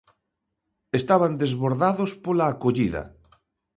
Estaban desbordados pola acollida.